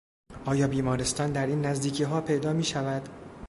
آیا بیمارستان در این نزدیکیها پیدا میشود؟